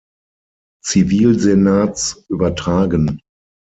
Zivilsenats übertragen.